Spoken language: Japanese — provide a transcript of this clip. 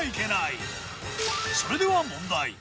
それでは問題。